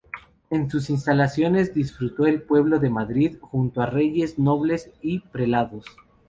En sus instalaciones disfrutó el pueblo de Madrid junto a reyes, nobles y prelados.